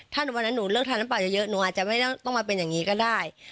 ถ้าวันนั้นหนูเลือกทานน้ำเปล่าเยอะหนูอาจจะไม่ต้องมาเป็นอย่างนี้ก็ได้